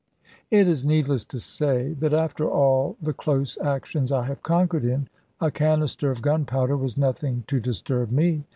It is needless to say, that after all the close actions I have conquered in, a canister of gunpowder was nothing to disturb me.